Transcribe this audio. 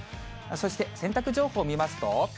そして洗濯情報を見ますと。